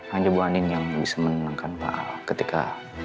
hanya bu andin yang bisa menenangkan pak al ketika